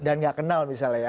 dan gak kenal misalnya